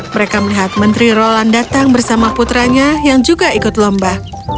mereka melihat menteri roland datang bersama putranya yang juga ikut lomba